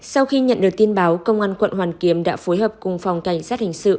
sau khi nhận được tin báo công an quận hoàn kiếm đã phối hợp cùng phòng cảnh sát hình sự